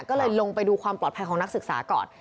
ก็เลยลงไปดูความปลอดภัยของนักศึกษาก่อน